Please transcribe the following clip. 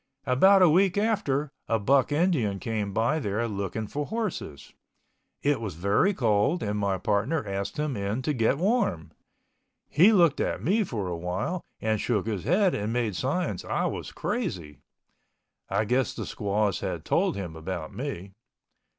About a week after a buck Indian came by there looking for horses. It was very cold and my partner asked him in to get warm. He looked at me for a while and shook his head and made signs I was crazy. I guess the squaws had told him about me.